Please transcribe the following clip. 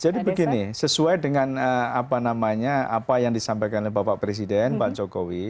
jadi begini sesuai dengan apa namanya apa yang disampaikan oleh bapak presiden pak jokowi